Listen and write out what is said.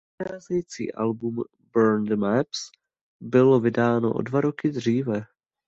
Předcházející album "Burn the Maps" bylo vydáno o dva roky dříve.